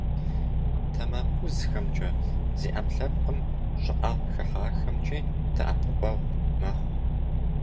Тэмакъыузхэмкӏэ, зи ӏэпкълъэпкъым щӏыӏэ хыхьахэмкӏи дэӏэпыкъуэгъу мэхъу.